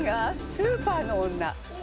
『スーパーの女』。